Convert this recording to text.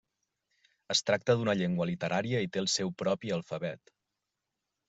Es tracta d'una llengua literària i té el seu propi alfabet.